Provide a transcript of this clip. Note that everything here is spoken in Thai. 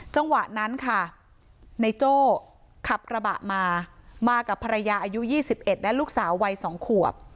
จังหวะนั้นค่ะในโจ้ขับกระบะมามากับภรรยาอายุ๒๑และลูกสาววัย๒ขวบ